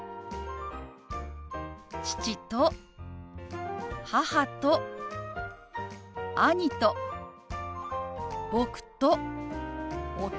父と母と兄と僕と弟です。